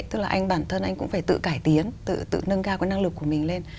tức là anh bản thân anh cũng phải tự cải tiến tự nâng cao cái năng lực của mình lên